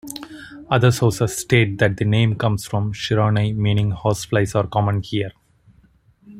Other sources state that the name comes from "Shiraunai" meaning "Horse-flies are common here".